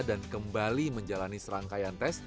dan kembali menjalani serangkaian tes